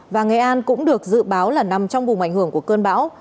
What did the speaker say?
và nghệ an cũng được dự báo là nằm trong vùng ảnh hưởng của cơn bão